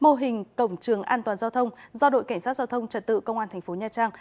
mô hình cổng trường an toàn giao thông do đội cảnh sát giao thông trật tự công an thành phố nha trang